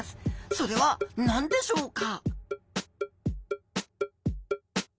それは何でしょうか？